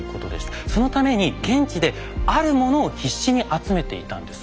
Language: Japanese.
そのために現地であるものを必死に集めていたんです。